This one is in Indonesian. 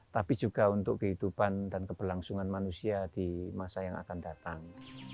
tapi juga untuk kehidupan dan keberlangsungan manusia di masa yang akan datang